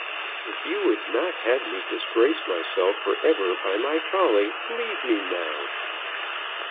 "If you would not have me disgrace myself for ever by my folly, leave me now."